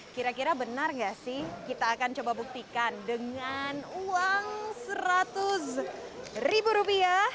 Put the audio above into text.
kira kira benar nggak sih kita akan coba buktikan dengan uang seratus ribu rupiah